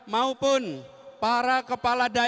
maupun para kepala daerah dan daerah indonesia